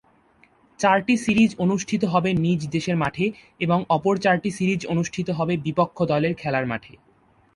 চারটি সিরিজ অনুষ্ঠিত হবে নিজ দেশের মাঠে এবং অপর চারটি সিরিজ অনুষ্ঠিত হবে বিপক্ষ দলের খেলার মাঠে।